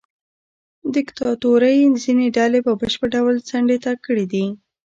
دیکتاتورۍ ځینې ډلې په بشپړ ډول څنډې ته کړې دي.